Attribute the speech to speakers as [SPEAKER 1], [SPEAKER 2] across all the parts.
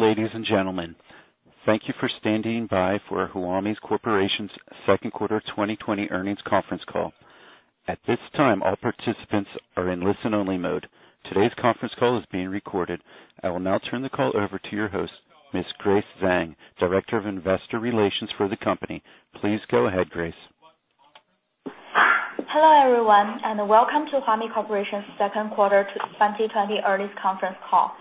[SPEAKER 1] Hello, ladies and gentlemen. Thank you for standing by for Huami Corporation's second quarter 2020 earnings conference call. At this time, all participants are in listen-only mode. Today's conference call is being recorded. I will now turn the call over to your host, Ms. Grace Zhang, Director of Investor Relations for the company. Please go ahead, Grace.
[SPEAKER 2] Hello, everyone, and welcome to Huami Corporation's second quarter 2020 earnings conference call.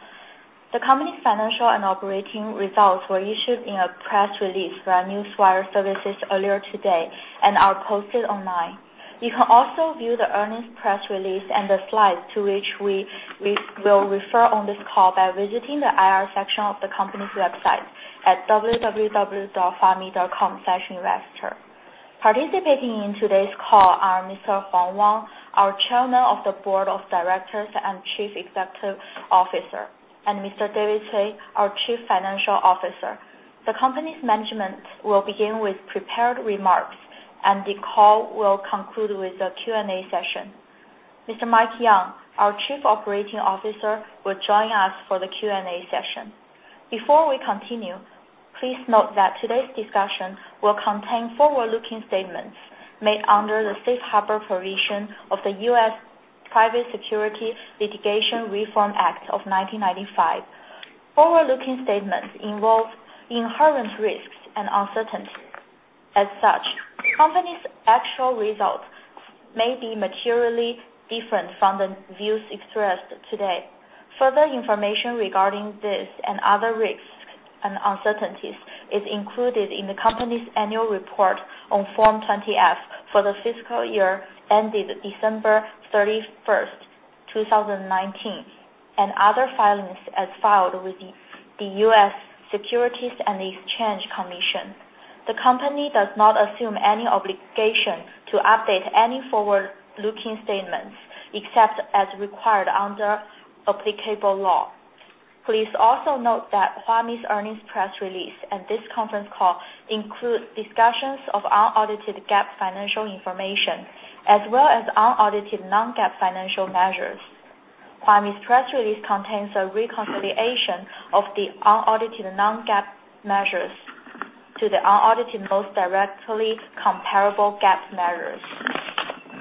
[SPEAKER 2] The company's financial and operating results were issued in a press release by Newswire Services earlier today and are posted online. You can also view the earnings press release and the slides to which we will refer on this call by visiting the IR section of the company's website at www.huami.com/investor. Participating in today's call are Mr. Huang Wang, our Chairman of the Board of Directors and Chief Executive Officer, and Mr. David Cui, our Chief Financial Officer. The company's management will begin with prepared remarks, and the call will conclude with a Q&A session. Mr. Mike Yeung, our Chief Operating Officer, will join us for the Q&A session. Before we continue, please note that today's discussion will contain forward-looking statements made under the Safe Harbor provision of the U.S. Private Securities Litigation Reform Act of 1995. Forward-looking statements involve inherent risks and uncertainties. As such, the company's actual results may be materially different from the views expressed today. Further information regarding this and other risks and uncertainties is included in the company's annual report on Form 20-F for the fiscal year ended 31st December, 2019, and other filings as filed with the U.S. Securities and Exchange Commission. The company does not assume any obligation to update any forward-looking statements except as required under applicable law. Please also note that Huami's earnings press release and this conference call include discussions of unaudited GAAP financial information, as well as unaudited non-GAAP financial measures. Huami's press release contains a reconciliation of the unaudited non-GAAP measures to the unaudited most directly comparable GAAP measures.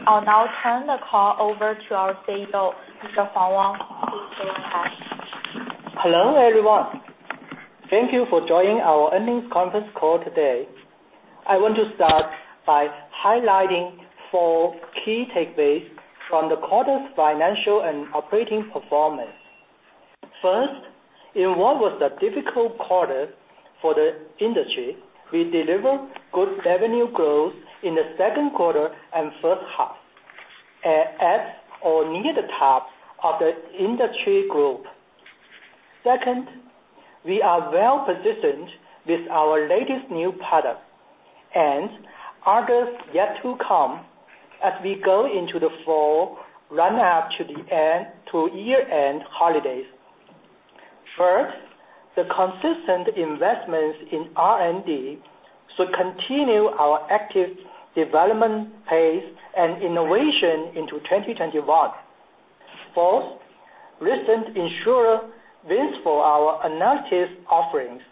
[SPEAKER 2] I'll now turn the call over to our CEO, Mr. Huang Wang. Please go ahead.
[SPEAKER 3] Hello, everyone. Thank you for joining our earnings conference call today. I want to start by highlighting four key takeaways from the quarter's financial and operating performance. First, in what was a difficult quarter for the industry, we delivered good revenue growth in the second quarter and first half, at or near the top of the industry group. Second, we are well-positioned with our latest new product and others yet to come as we go into the fall run up to year-end holidays. Third, the consistent investments in R&D should continue our active development pace and innovation into 2021. Fourth, recent insurer wins for our analytics offerings.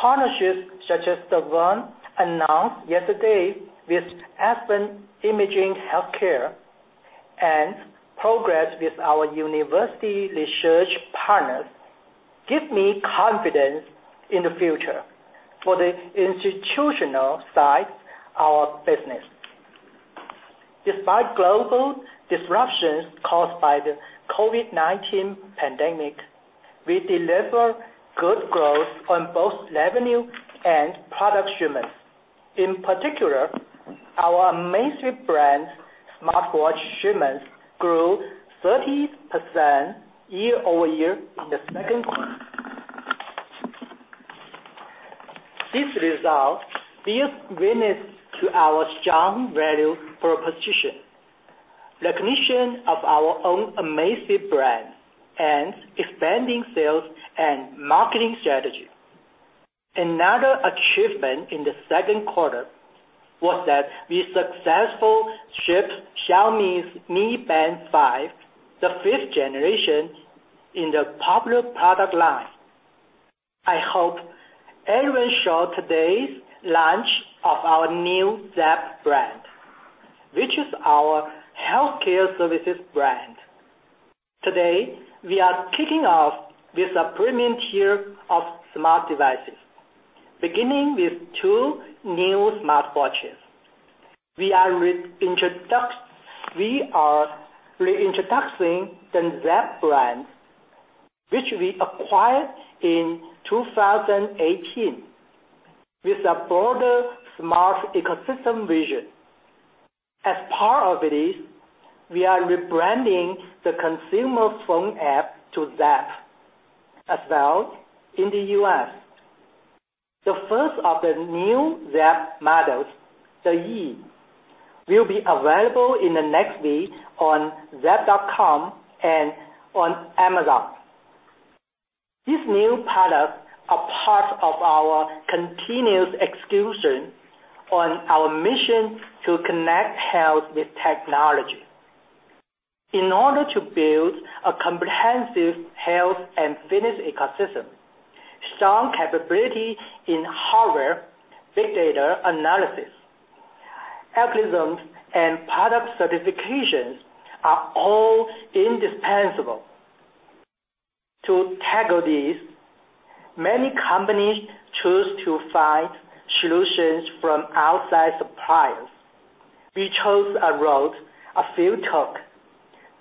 [SPEAKER 3] Partnerships such as the one announced yesterday with Aspen Imaging Healthcare, and progress with our university research partners give me confidence in the future for the institutional side of our business. Despite global disruptions caused by the COVID-19 pandemic, we delivered good growth on both revenue and product shipments. In particular, our Amazfit brand smartwatch shipments grew 30% year-over-year in the second quarter. This result bears witness to our strong value proposition, recognition of our own Amazfit brand, and expanding sales and marketing strategy. Another achievement in the second quarter was that we successfully shipped Xiaomi's Mi Band 5, the fifth generation in the popular product line. I hope everyone saw today's launch of our new Zepp brand, which is our healthcare services brand. Today, we are kicking off with a premium tier of smart devices, beginning with two new smartwatches. We are reintroducing the Zepp brand, which we acquired in 2018, with a broader smart ecosystem vision. As part of this, we are rebranding the consumer phone app to Zepp as well in the U.S. The first of the new Zepp models, the E, will be available in the next week on zepp.com and on Amazon. These new products are part of our continuous execution on our mission to connect health with technology. In order to build a comprehensive health and fitness ecosystem, strong capability in hardware, big data analysis, algorithms, and product certifications are all indispensable. To tackle this, many companies choose to find solutions from outside suppliers. We chose a road a few took,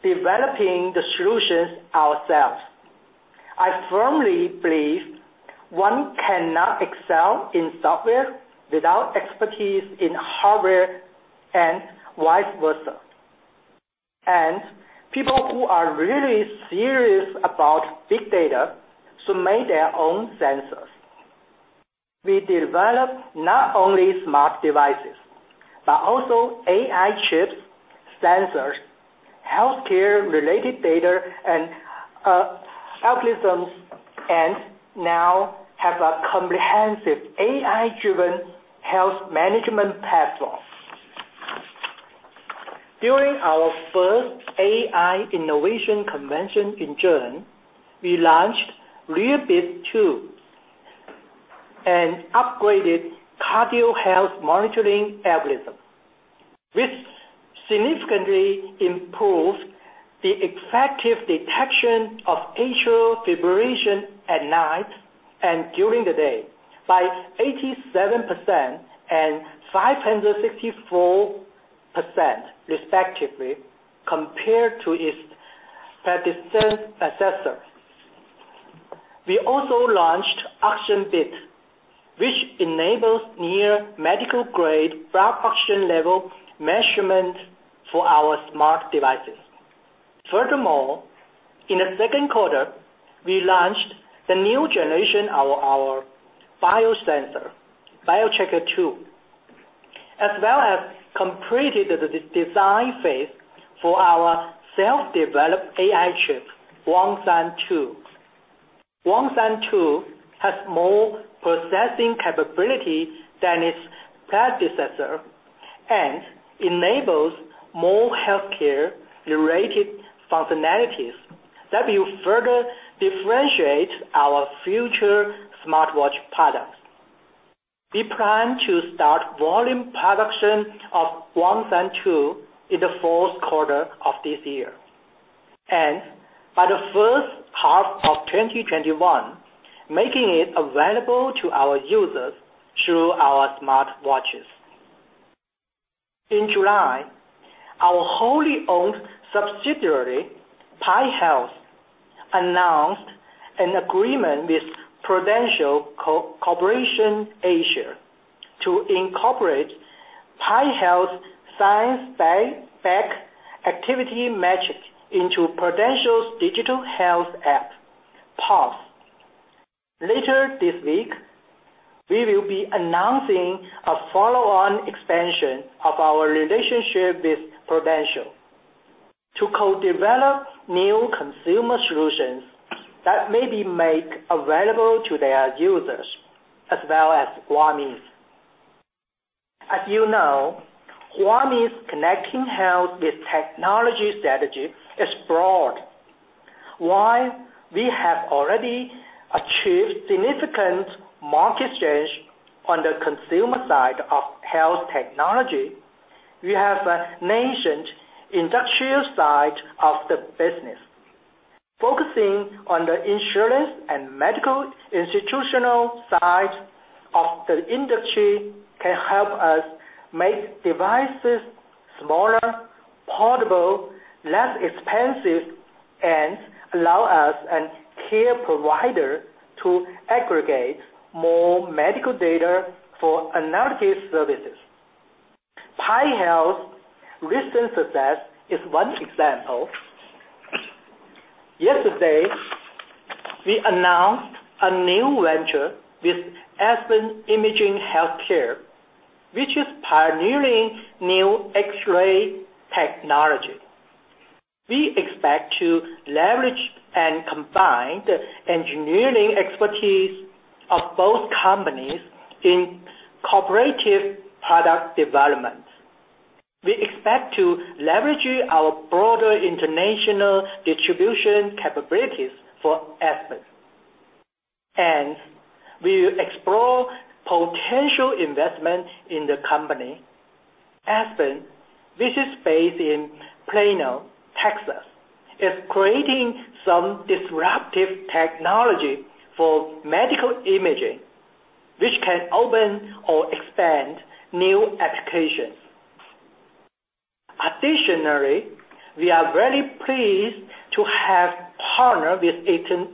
[SPEAKER 3] developing the solutions ourselves. I firmly believe one cannot excel in software without expertise in hardware and vice versa. People who are really serious about big data should make their own sensors. We develop not only smart devices, but also AI chips, sensors, healthcare-related data, and algorithms, and now have a comprehensive AI-driven health management platform. During our first AI Innovation Convention in June, we launched RealBeats 2, an upgraded cardio health monitoring algorithm, which significantly improved the effective detection of atrial fibrillation at night and during the day by 87% and 564%, respectively, compared to its predecessor. We also launched OxygenBeats, which enables near medical-grade blood oxygen level measurement for our smart devices. Furthermore, in the second quarter, we launched the new generation of our biosensor, BioTracker 2 as well as completed the design phase for our self-developed AI chip, Huangshan 2. Huangshan 2 has more processing capability than its predecessor and enables more healthcare-related functionalities that will further differentiate our future smartwatch products. We plan to start volume production of Huangshan 2 in the fourth quarter of this year, and by the first half of 2021, making it available to our users through our smartwatches. In July, our wholly-owned subsidiary, PAI Health, announced an agreement with Prudential Corporation Asia to incorporate PAI Health's science-backed activity metric into Prudential's digital health app, Pulse. Later this week, we will be announcing a follow-on expansion of our relationship with Prudential to co-develop new consumer solutions that may be made available to their users, as well as Huami's. As you know, Huami's connecting health with technology strategy is broad. While we have already achieved significant market shares on the consumer side of health technology, we have a nascent industrial side of the business. Focusing on the insurance and medical institutional side of the industry can help us make devices smaller, portable, less expensive, and allow us and care providers to aggregate more medical data for analytics services. PAI Health's recent success is one example. Yesterday, we announced a new venture with Aspen Imaging Healthcare, which is pioneering new X-ray technology. We expect to leverage and combine the engineering expertise of both companies in cooperative product development. We expect to leverage our broader international distribution capabilities for Aspen. We will explore potential investment in the company. Aspen, which is based in Plano, Texas, is creating some disruptive technology for medical imaging, which can open or expand new applications. We are very pleased to have partnered with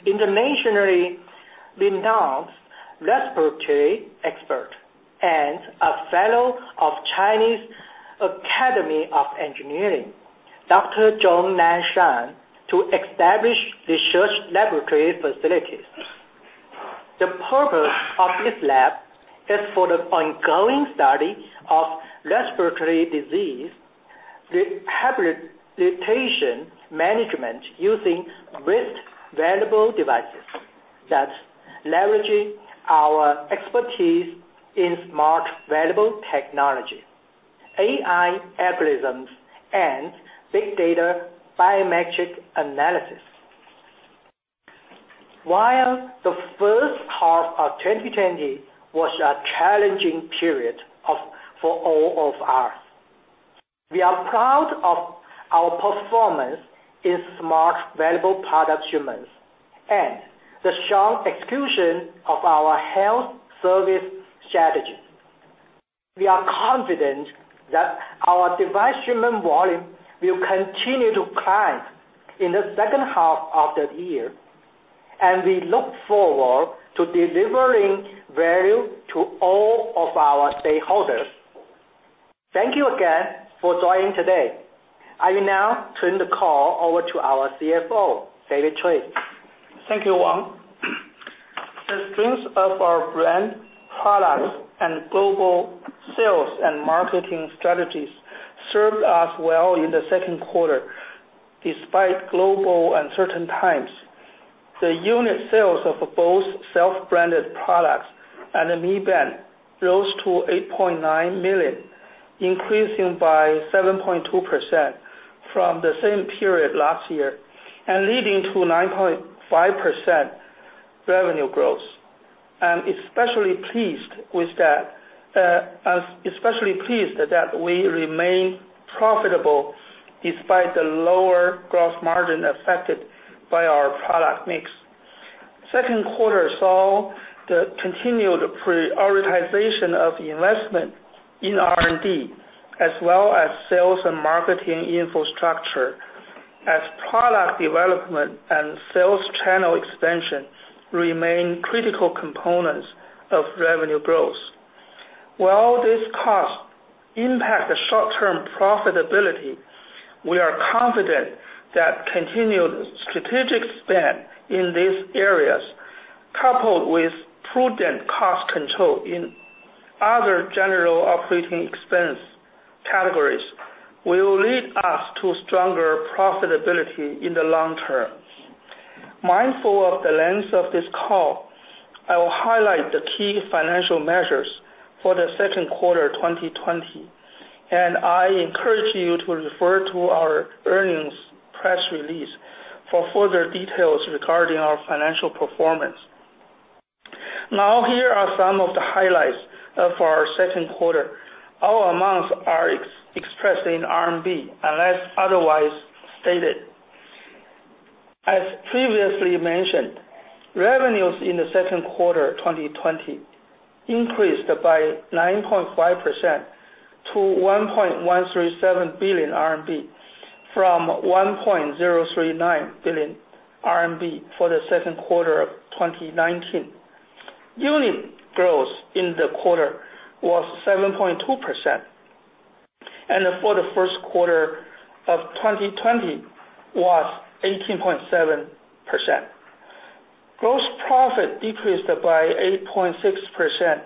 [SPEAKER 3] internationally renowned respiratory expert and a fellow of Chinese Academy of Engineering, Dr. Zhong Nanshan, to establish research laboratory facilities. The purpose of this lab is for the ongoing study of respiratory disease rehabilitation management using wrist-wearable devices. That's leveraging our expertise in smart wearable technology, AI algorithms, and big data biometric analysis. While the first half of 2020 was a challenging period for all of us, we are proud of our performance in smart wearable product shipments and the strong execution of our health service strategy. We are confident that our device shipment volume will continue to climb in the second half of the year, and we look forward to delivering value to all of our stakeholders. Thank you again for joining today. I will now turn the call over to our CFO, David Cui.
[SPEAKER 4] Thank you, Wang. The strength of our brand, products, and global sales and marketing strategies served us well in the second quarter, despite global uncertain times. The unit sales of both self-branded products and the Mi Band rose to 8.9 million, increasing by 7.2% from the same period last year, and leading to 9.5% revenue growth. I'm especially pleased that we remain profitable despite the lower gross margin affected by our product mix. Second quarter saw the continued prioritization of investment in R&D, as well as sales and marketing infrastructure, as product development and sales channel expansion remain critical components of revenue growth. While this cost impacts the short-term profitability, we are confident that continued strategic spend in these areas, coupled with prudent cost control in other general operating expense categories, will lead us to stronger profitability in the long term. Mindful of the length of this call, I will highlight the key financial measures for the second quarter 2020. I encourage you to refer to our earnings press release for further details regarding our financial performance. Here are some of the highlights of our second quarter. All amounts are expressed in RMB, unless otherwise stated. As previously mentioned, revenues in the second quarter 2020 increased by 9.5% to 1.137 billion RMB, from 1.039 billion RMB for the second quarter of 2019. Unit growth in the quarter was 7.2%. For the first quarter of 2020 was 18.7%. Gross profit decreased by 8.6%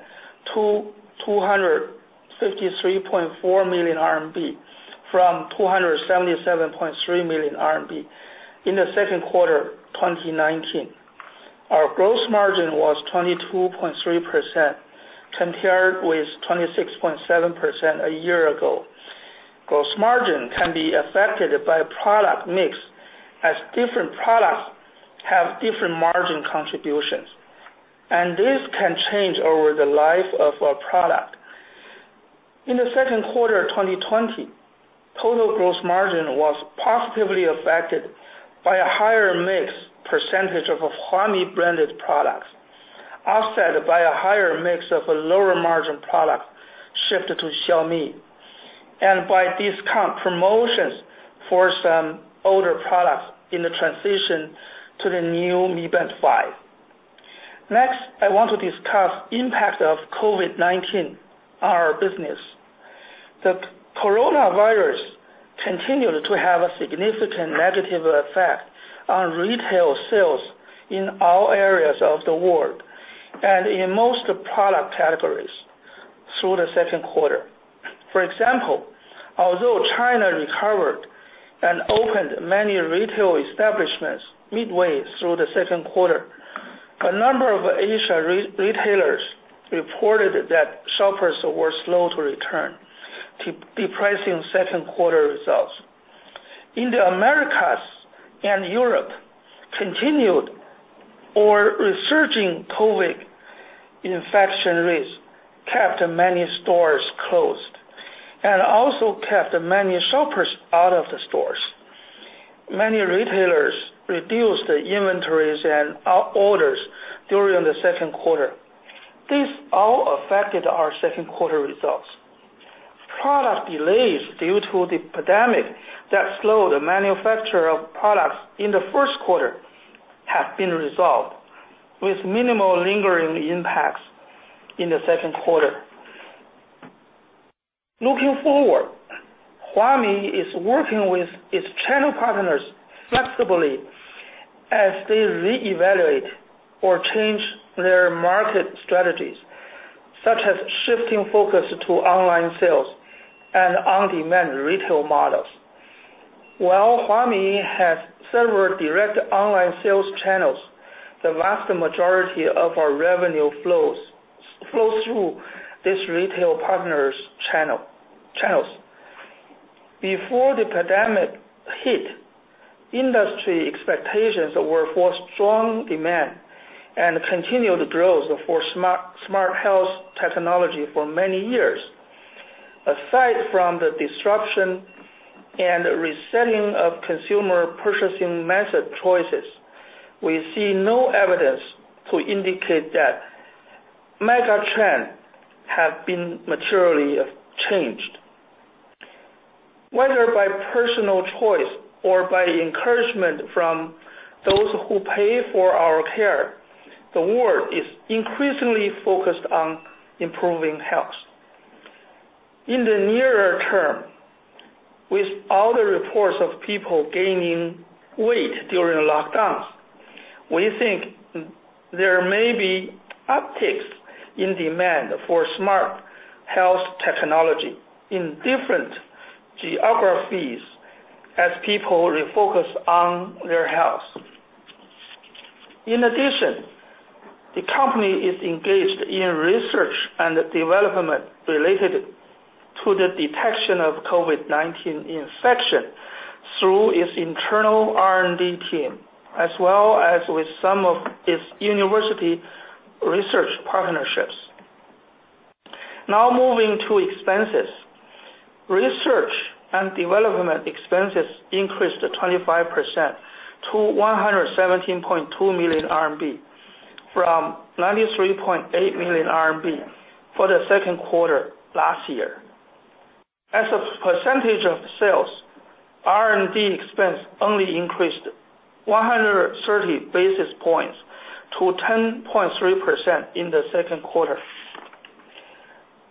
[SPEAKER 4] to 253.4 million RMB, from 277.3 million RMB in the second quarter 2019. Our gross margin was 22.3%, compared with 26.7% a year ago. Gross margin can be affected by product mix, as different products have different margin contributions, and this can change over the life of a product. In the second quarter 2020, total gross margin was positively affected by a higher mix percentage of Huami-branded products, offset by a higher mix of lower-margin products shipped to Xiaomi, and by discount promotions for some older products in the transition to the new Mi Band 5. Next, I want to discuss impact of COVID-19 on our business. The coronavirus continued to have a significant negative effect on retail sales in all areas of the world and in most product categories through the second quarter. For example, although China recovered and opened many retail establishments midway through the second quarter, a number of Asia retailers reported that shoppers were slow to return, depressing second quarter results. In the Americas and Europe, continued or resurging COVID infection rates kept many stores closed, and also kept many shoppers out of the stores. Many retailers reduced inventories and orders during the second quarter. This all affected our second quarter results. Product delays due to the pandemic that slowed manufacture of products in the first quarter have been resolved, with minimal lingering impacts in the second quarter. Looking forward, Huami is working with its channel partners flexibly as they reevaluate or change their market strategies, such as shifting focus to online sales and on-demand retail models. While Huami has several direct online sales channels, the vast majority of our revenue flows through this retail partner's channels. Before the pandemic hit, industry expectations were for strong demand and continued growth for smart health technology for many years. Aside from the disruption and resetting of consumer purchasing method choices, we see no evidence to indicate that mega trends have been materially changed. Whether by personal choice or by encouragement from those who pay for our care, the world is increasingly focused on improving health. In the nearer term, with all the reports of people gaining weight during lockdowns, we think there may be upticks in demand for smart health technology in different geographies as people refocus on their health. In addition, the company is engaged in research and development related to the detection of COVID-19 infection through its internal R&D team, as well as with some of its university research partnerships. Moving to expenses. Research and development expenses increased 25% to 117.2 million RMB from 93.8 million RMB for the second quarter last year. As a percentage of sales, R&D expense only increased 130 basis points to 10.3% in the second quarter.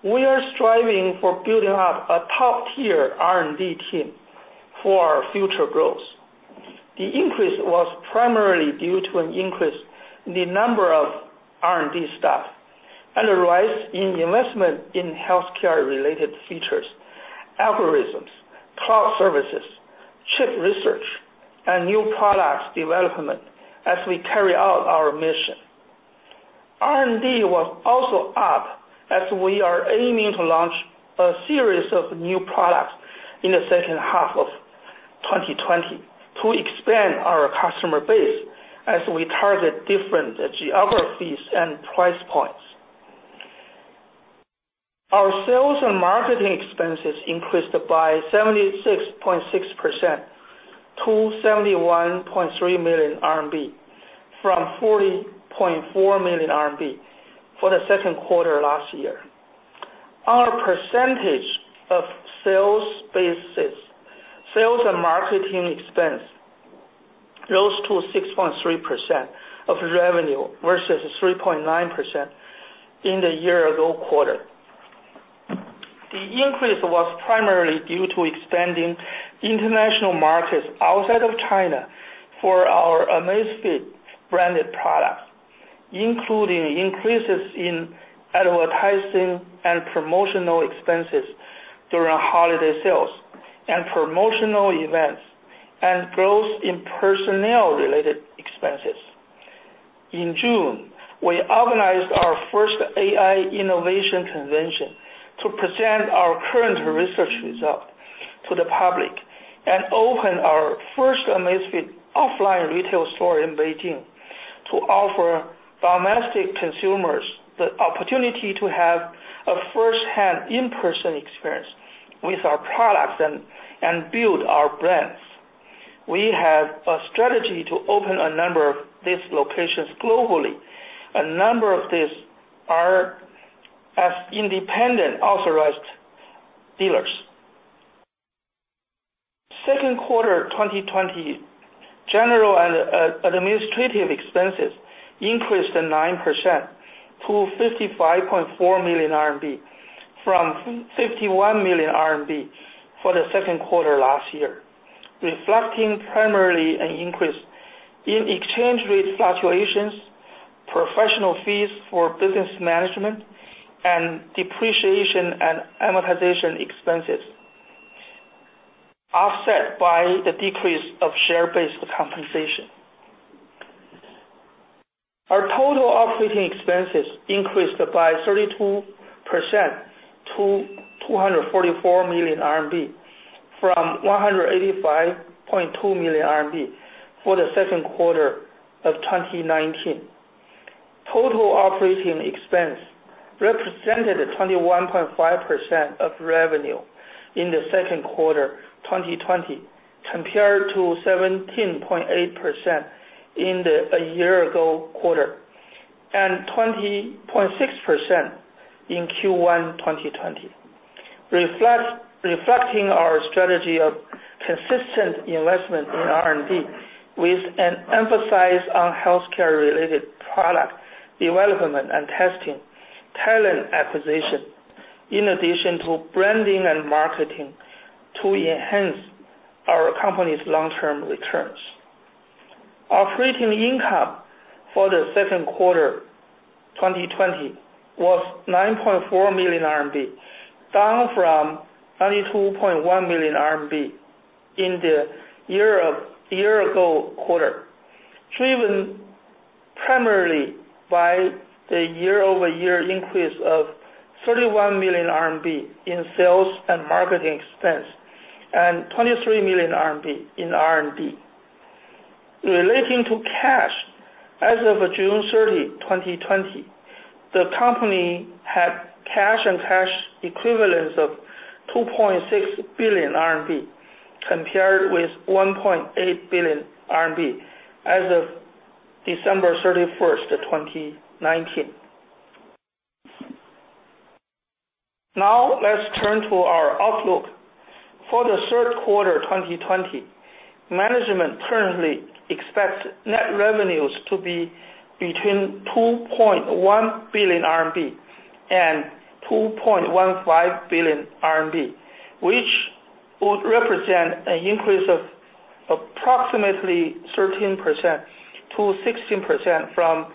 [SPEAKER 4] We are striving for building up a top-tier R&D team for our future growth. The increase was primarily due to an increase in the number of R&D staff and a rise in investment in healthcare-related features, algorithms, Clive services, chip research, and new products development as we carry out our mission. R&D was also up as we are aiming to launch a series of new products in the second half of 2020 to expand our customer base as we target different geographies and price points. Our sales and marketing expenses increased by 76.6% to 71.3 million RMB from 40.4 million RMB for the second quarter last year. Our percentage of sales basis, sales and marketing expense rose to 6.3% of revenue versus 3.9% in the year-ago quarter. The increase was primarily due to expanding international markets outside of China for our Amazfit-branded products, including increases in advertising and promotional expenses during holiday sales and promotional events and growth in personnel-related expenses. In June, we organized our first AI Innovation Convention to present our current research result to the public and open our first Amazfit offline retail store in Beijing to offer domestic consumers the opportunity to have a first-hand in-person experience with our products and build our brands. We have a strategy to open a number of these locations globally. A number of these are as independent authorized dealers. Second quarter 2020 general and administrative expenses increased 9% to 55.4 million RMB from 51 million RMB for the second quarter last year, reflecting primarily an increase in exchange rate fluctuations, professional fees for business management, and depreciation and amortization expenses, offset by the decrease of share-based compensation. Our total operating expenses increased by 32% to 244 million RMB from 185.2 million RMB for the second quarter of 2019. Total operating expense represented 21.5% of revenue in the second quarter 2020, compared to 17.8% in the year-ago quarter and 20.6% in Q1 2020, reflecting our strategy of consistent investment in R&D with an emphasis on healthcare-related product development and testing, talent acquisition, in addition to branding and marketing to enhance our company's long-term returns. Our operating income for the second quarter 2020 was 9.4 million RMB, down from 92.1 million RMB in the year-ago quarter, driven primarily by the year-over-year increase of 31 million RMB in sales and marketing expense, and 23 million RMB in R&D. Relating to cash, as of June 30, 2020, the company had cash and cash equivalents of 2.6 billion RMB, compared with 1.8 billion RMB as of December 31st, 2019. Let's turn to our outlook. For the third quarter 2020, management currently expects net revenues to be between 2.1 billion RMB and 2.15 billion RMB, which would represent an increase of approximately 13%-16% from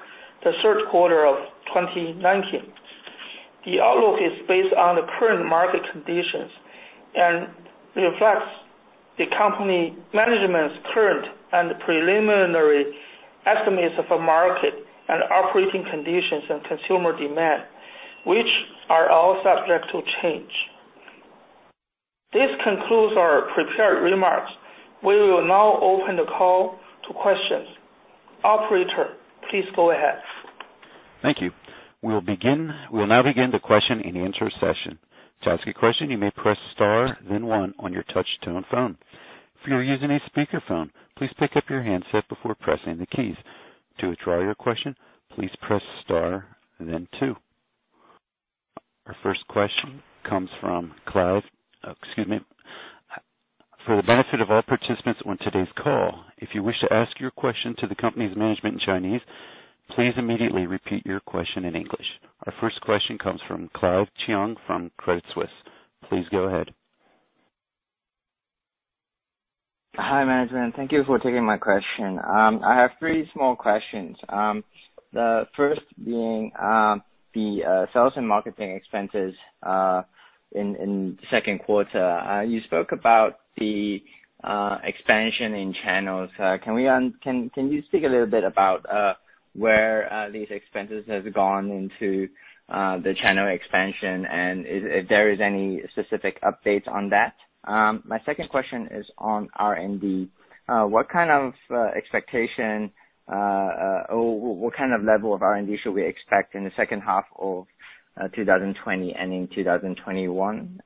[SPEAKER 4] the third quarter of 2019. The outlook is based on the current market conditions and reflects the company management's current and preliminary estimates of a market and operating conditions and consumer demand, which are all subject to change. This concludes our prepared remarks. We will now open the call to questions. Operator, please go ahead.
[SPEAKER 1] Thank you. We'll now begin the question and answer session. To ask a question, you may press star one on your touch-tone phone. If you are using a speakerphone, please pick up your handset before pressing the keys. To withdraw your question, please press star two. For the benefit of all participants on today's call, if you wish to ask your question to the company's management in Chinese, please immediately repeat your question in English. Our first question comes from Clive Cheung from Credit Suisse. Please go ahead.
[SPEAKER 5] Hi, management. Thank you for taking my question. I have three small questions. The first being the sales and marketing expenses in the second quarter. You spoke about the expansion in channels. Can you speak a little bit about where these expenses has gone into the channel expansion, and if there is any specific updates on that? My second question is on R&D. What kind of expectation, or what kind of level of R&D should we expect in the second half of 2020 and in 2021?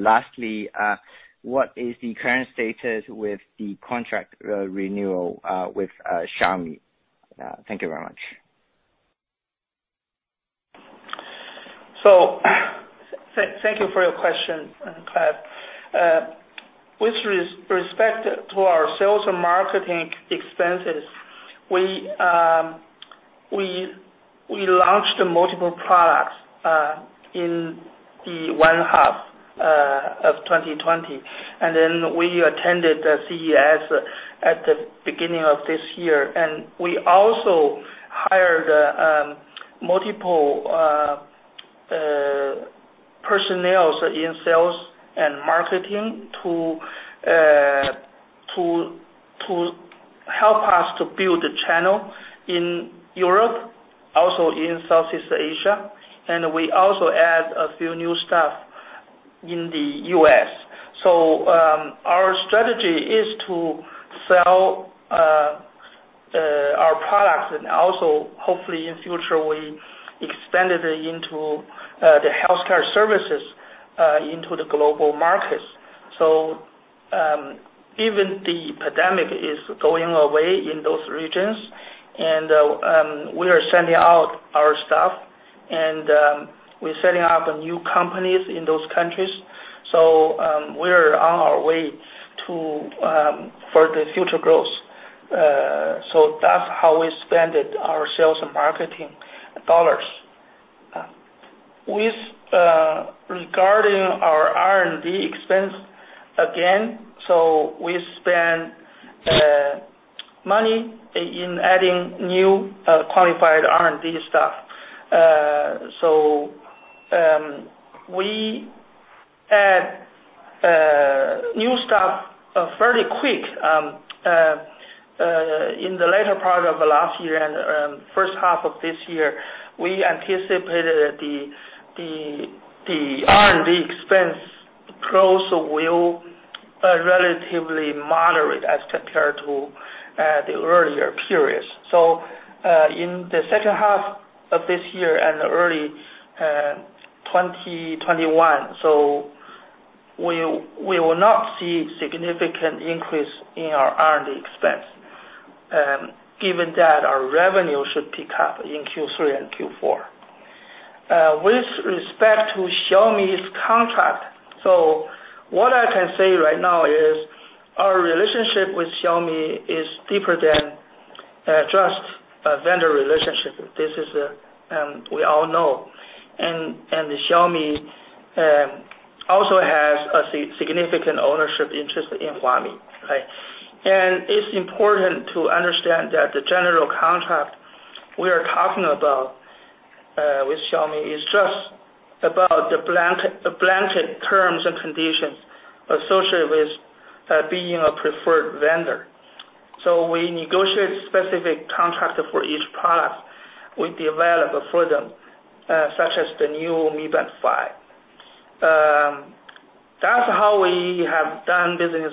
[SPEAKER 5] Lastly, what is the current status with the contract renewal with Xiaomi? Thank you very much.
[SPEAKER 4] Thank you for your question, Cloud. With respect to our sales and marketing expenses, we launched multiple products in the one half of 2020, and then we attended CES at the beginning of this year. We also hired multiple personnel in sales and marketing to help us to build the channel in Europe, also in Southeast Asia. We also add a few new staff in the U.S. Our strategy is to sell our products, and also hopefully in future, we expand it into the healthcare services into the global markets. Even the pandemic is going away in those regions, and we are sending out our staff, and we're setting up new companies in those countries. We're on our way for the future growth. That's how we spend our sales and marketing dollars. Regarding our R&D expense, again, we spend money in adding new qualified R&D staff. We add new staff fairly quick in the later part of last year and first half of this year. We anticipated the R&D expense growth will relatively moderate as compared to the earlier periods. In the second half of this year and early 2021, we will not see significant increase in our R&D expense, given that our revenue should pick up in Q3 and Q4. With respect to Xiaomi's contract, what I can say right now is our relationship with Xiaomi is deeper than just a vendor relationship. This is, we all know. Also has a significant ownership interest in Huami. It's important to understand that the general contract we are talking about with Xiaomi is just about the blanket terms and conditions associated with being a preferred vendor. We negotiate specific contracts for each product we develop for them, such as the new Mi Band 5. That's how we have done business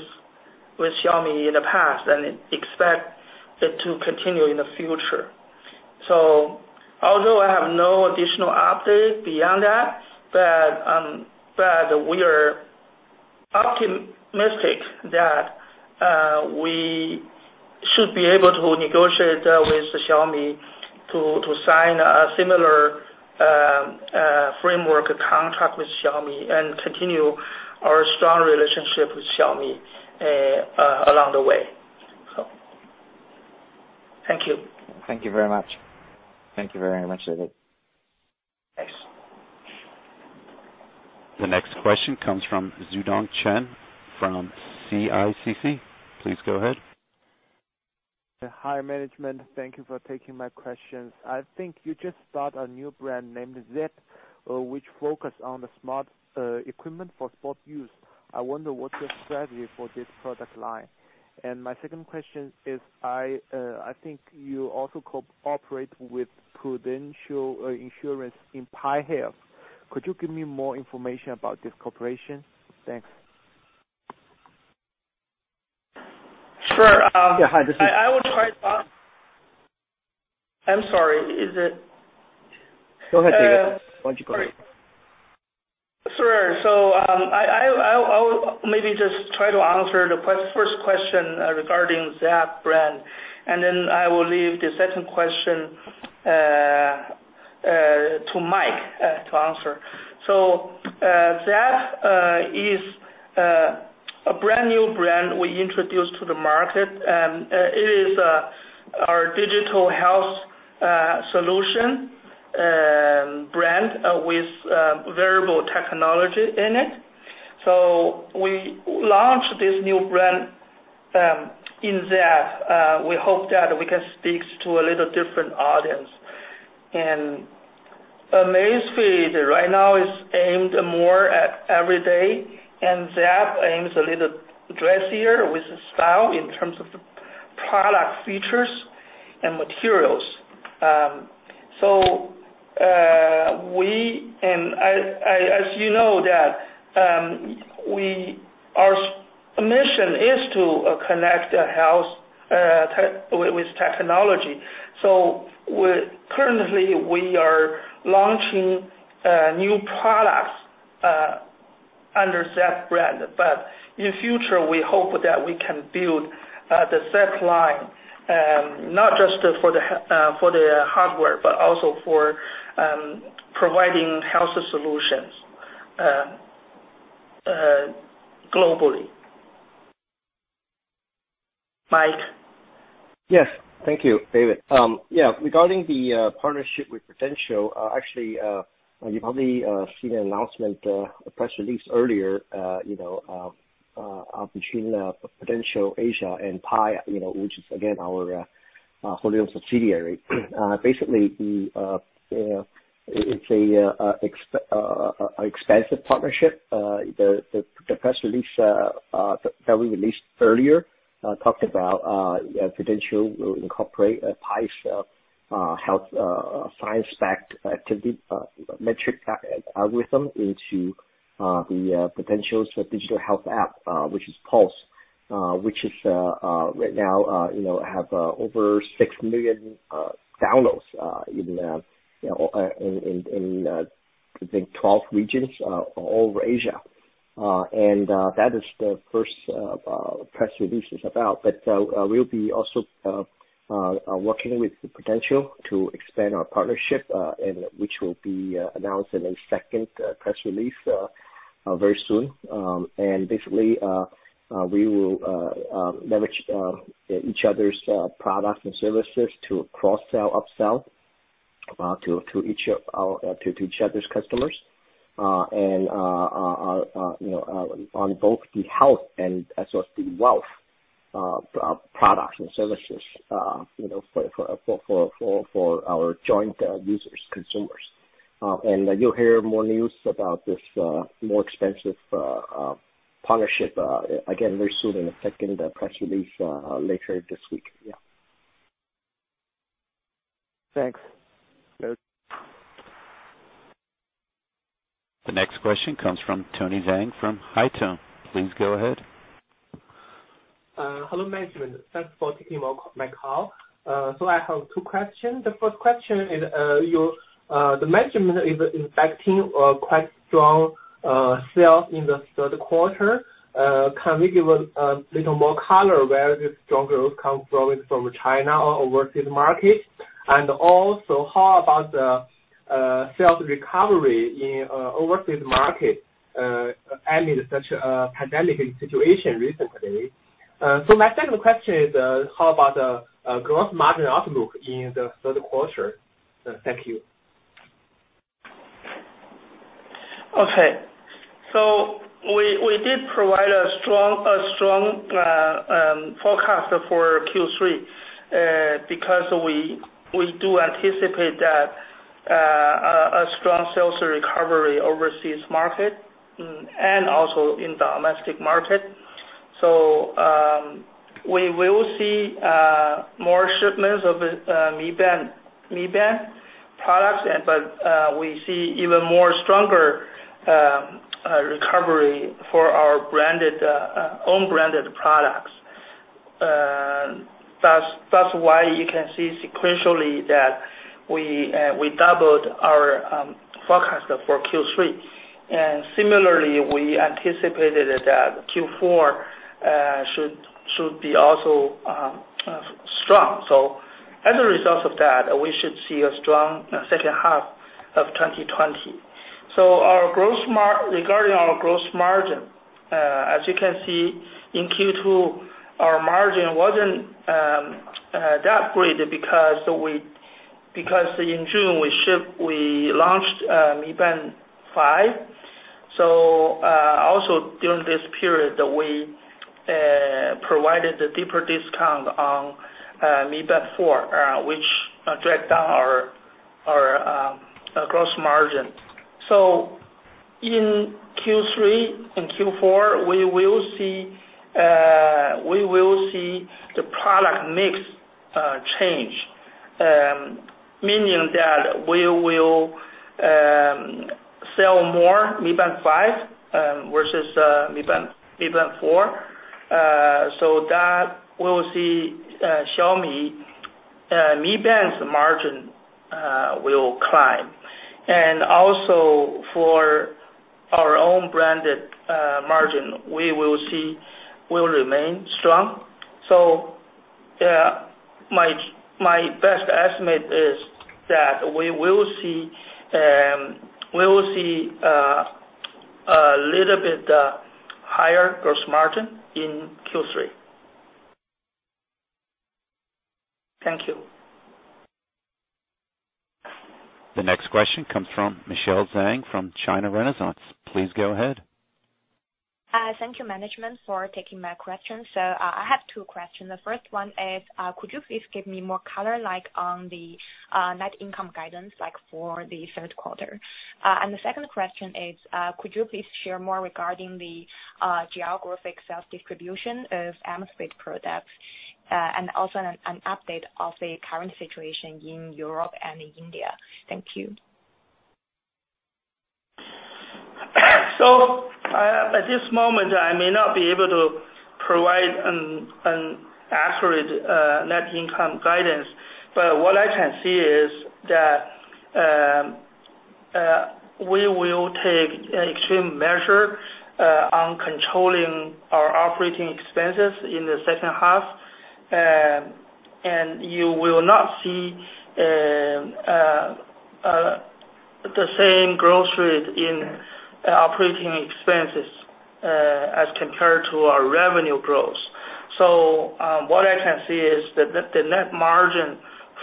[SPEAKER 4] with Xiaomi in the past, and expect it to continue in the future. Although I have no additional update beyond that, but we are optimistic that we should be able to negotiate with Xiaomi to sign a similar framework contract with Xiaomi and continue our strong relationship with Xiaomi along the way. Thank you.
[SPEAKER 5] Thank you very much. Thank you very much, David.
[SPEAKER 4] Thanks.
[SPEAKER 1] The next question comes from Xudong Chen from CICC. Please go ahead.
[SPEAKER 6] Hi, management. Thank you for taking my questions. I think you just start a new brand named Zepp, which focus on the smart equipment for sports use. I wonder what your strategy is for this product line. My second question is, I think you also cooperate with Prudential in PAI Health. Could you give me more information about this cooperation? Thanks.
[SPEAKER 4] Sure.
[SPEAKER 7] Yeah, hi.
[SPEAKER 4] I will try I'm sorry, is it?
[SPEAKER 7] Go ahead, David. Why don't you go ahead?
[SPEAKER 4] Sure. I'll maybe just try to answer the first question regarding Zepp brand, and then I will leave the second question to Mike to answer. Zepp is a brand-new brand we introduced to the market. It is our digital health solution brand with wearable technology in it. We launched this new brand, in Zepp. We hope that we can speak to a little different audience. Amazfit, right now, is aimed more at every day, and Zepp aims a little dressier with the style in terms of the product features and materials. As you know, our mission is to connect health with technology. Currently, we are launching new products under Zepp brand. In future, we hope that we can build the Zepp line, not just for the hardware, but also for providing health solutions globally. Mike?
[SPEAKER 7] Yes. Thank you, David. Yeah, regarding the partnership with Prudential, actually, you've probably seen an announcement, a press release earlier, between Prudential Asia and PAI Health, which is, again, our wholly-owned subsidiary. Basically, it's an expansive partnership. The press release that we released earlier talked about how Prudential will incorporate PAI Health's health science-backed activity metric algorithm into Prudential's digital health app, which is Pulse. Which right now have over 6 million downloads in I think 12 regions all over Asia. That is what the first press release is about. We'll be also working with Prudential to expand our partnership, and which will be announced in a second press release very soon. Basically, we will leverage each other's products and services to cross-sell, up-sell to each other's customers. On both the health and associated wealth products and services for our joint users, consumers. You'll hear more news about this more expansive partnership again very soon in a second press release later this week.
[SPEAKER 6] Thanks.
[SPEAKER 7] Yes.
[SPEAKER 1] The next question comes from Tony Zhang from Haitong. Please go ahead.
[SPEAKER 8] Hello, management. Thanks for taking my call. I have two questions. The first question is, the management is expecting quite strong sales in the third quarter. Can we give a little more color where this strong growth comes from? Is it from China or overseas markets? How about the sales recovery in overseas market amid such a pandemic situation recently? My second question is, how about the gross margin outlook in the third quarter? Thank you.
[SPEAKER 4] Okay. We did provide a strong forecast for Q3 because we do anticipate that a strong sales recovery overseas market and also in the domestic market. We will see more shipments of Mi Band products, but we see even more stronger recovery for our own branded products. That's why you can see sequentially that we doubled our forecast for Q3. Similarly, we anticipated that Q4 should be also strong. As a result of that, we should see a strong second half of 2020. Regarding our gross margin, as you can see in Q2, our margin wasn't that great because in June, we launched Mi Band 5. Also during this period, we provided a deeper discount on Mi Band 4, which dragged down our gross margin. In Q3 and Q4, we will see the product mix change, meaning that we will sell more Mi Band 5 versus Mi Band 4. That we'll see Xiaomi Mi Band's margin will climb. Also for our own branded margin, we will see will remain strong. My best estimate is that we will see a little bit higher gross margin in Q3. Thank you.
[SPEAKER 1] The next question comes from Michelle Zhang from China Renaissance. Please go ahead.
[SPEAKER 9] Thank you management for taking my question. I have two questions. The first one is, could you please give me more color on the net income guidance for the third quarter? The second question is, could you please share more regarding the geographic sales distribution of Amazfit products? Also an update of the current situation in Europe and in India. Thank you.
[SPEAKER 4] At this moment, I may not be able to provide an accurate net income guidance. What I can say is that we will take extreme measure on controlling our operating expenses in the second half. You will not see the same growth rate in operating expenses as compared to our revenue growth. What I can say is that the net margin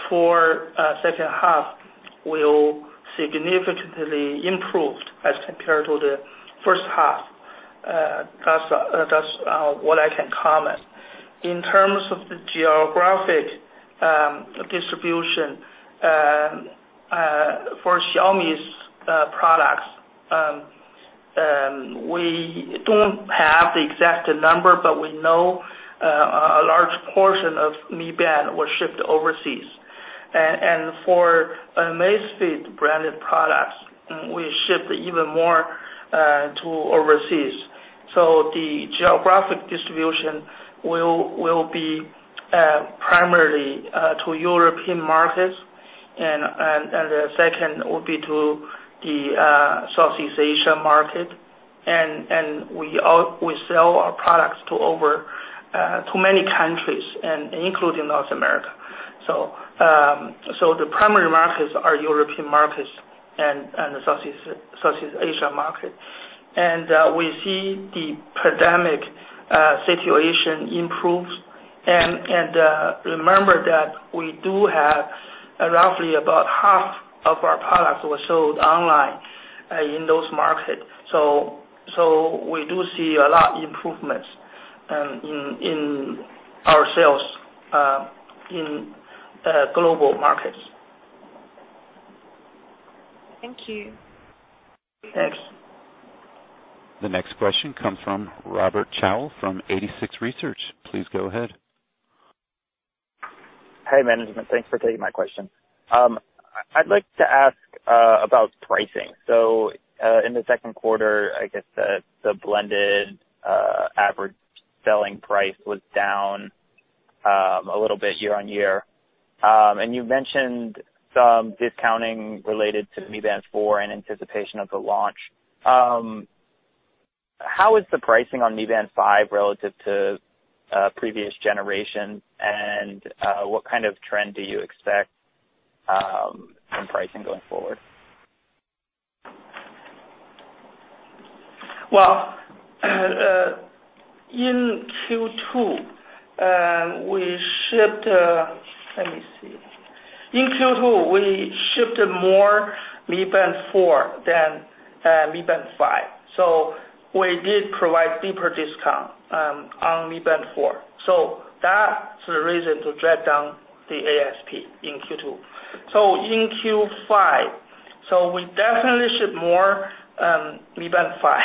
[SPEAKER 4] for second half will significantly improve as compared to the first half. That's what I can comment. In terms of the geographic distribution for Xiaomi's products, we don't have the exact number, but we know a large portion of Mi Band was shipped overseas. For Amazfit-branded products, we shipped even more to overseas. The geographic distribution will be primarily to European markets and the second will be to the Southeast Asia market. We sell our products to many countries and including North America. The primary markets are European markets and the Southeast Asia market. We see the pandemic situation improves. Remember that we do have roughly about half of our products were sold online in those markets. We do see a lot improvements in our sales in global markets.
[SPEAKER 9] Thank you.
[SPEAKER 4] Thanks.
[SPEAKER 1] The next question comes from Robert Cowell from 86Research. Please go ahead.
[SPEAKER 10] Hi, management. Thanks for taking my question. I'd like to ask about pricing. In the second quarter, I guess the blended average selling price was down a little bit year-on-year. You mentioned some discounting related to Mi Band 4 in anticipation of the launch. How is the pricing on Mi Band 5 relative to previous generations, and what kind of trend do you expect from pricing going forward?
[SPEAKER 4] Well, in Q2, we shipped more Mi Band 4 than Mi Band 5. We did provide deeper discount on Mi Band 4. That's the reason to drag down the ASP in Q2. In Q3, we definitely ship more Mi Band 5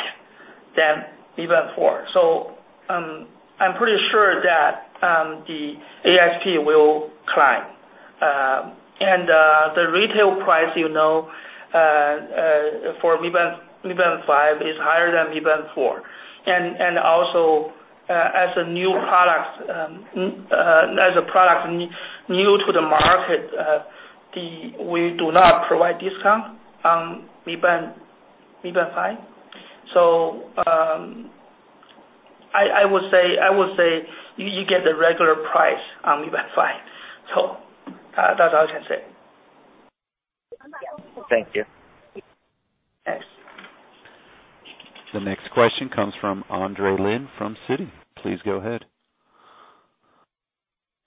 [SPEAKER 4] than Mi Band 4. I'm pretty sure that the ASP will climb. The retail price for Mi Band 5 is higher than Mi Band 4. Also, as a product new to the market, we do not provide discount on Mi Band 5. I would say you get the regular price on Mi Band 5. That's all I can say.
[SPEAKER 10] Thank you. Thanks.
[SPEAKER 1] The next question comes from Andre Lin from Citi. Please go ahead.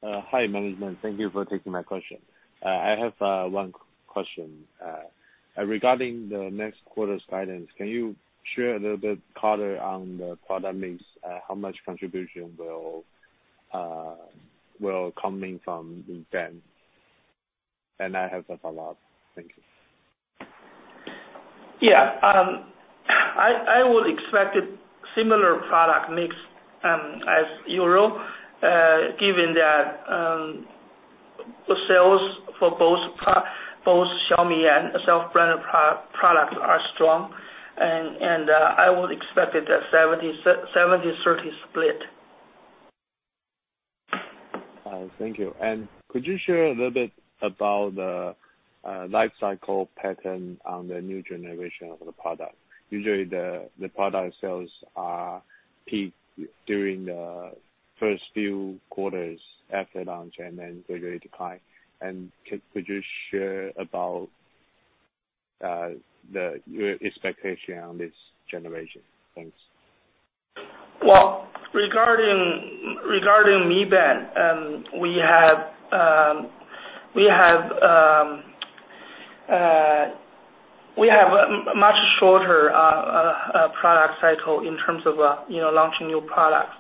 [SPEAKER 11] Hi, management. Thank you for taking my question. I have one question. Regarding the next quarter's guidance, can you share a little bit color on the product mix? How much contribution will coming from Mi Band? I have a follow-up. Thank you.
[SPEAKER 4] Yeah. I would expect similar product mix as usual, given that sales for both Xiaomi and self-branded products are strong, and I would expect it at 70/30 split.
[SPEAKER 11] Thank you. Could you share a little bit about the life cycle pattern on the new generation of the product? Usually, the product sales are peak during the first few quarters after launch and then gradually decline. Could you share about your expectation on this generation? Thanks.
[SPEAKER 4] Well, regarding Mi Band, we have a much shorter product cycle in terms of launching new products.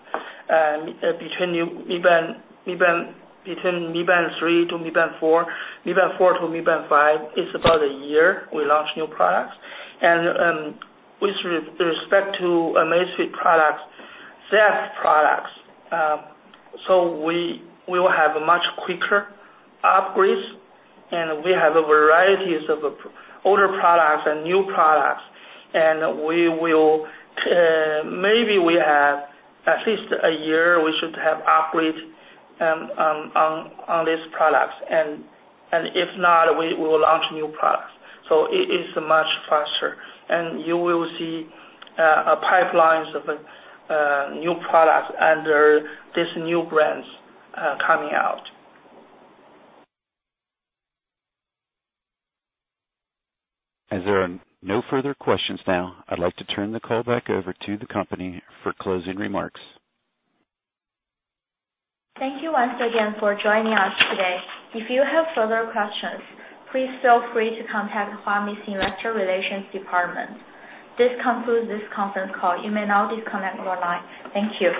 [SPEAKER 4] Between Mi Band 3 to Mi Band 4, Mi Band 4 to Mi Band 5, it's about a year we launch new products. With respect to Amazfit products, Zepp products, so we will have much quicker upgrades, and we have varieties of older products and new products, and maybe we have at least a year we should have upgrades on these products. If not, we will launch new products. It is much faster. You will see pipelines of new products under these new brands coming out.
[SPEAKER 1] As there are no further questions now, I'd like to turn the call back over to the company for closing remarks.
[SPEAKER 2] Thank you once again for joining us today. If you have further questions, please feel free to contact Zepp Health's investor relations department. This concludes this conference call. You may now disconnect your line. Thank you.